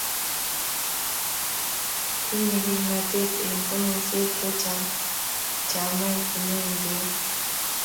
tinyei kimnatet eng' komoswek chechang' chamait ne indoi.